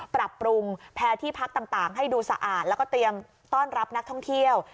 ปรับปรุงแพ้ที่พักต่างให้ดูสะอาดแล้วก็เตรียมต้อนรับนักท่องเที่ยว